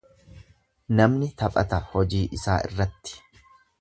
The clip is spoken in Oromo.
Namni taphata hojii isaa irratti.